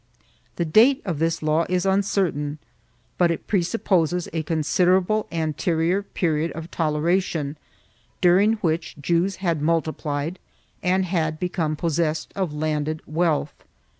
1 The date of this law is uncertain, but it presupposes a con siderable anterior period of toleration, during which Jews had multiplied and had become possessed of landed wealth.